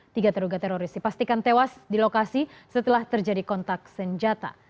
tiga terduga teroris dipastikan tewas di lokasi setelah terjadi kontak senjata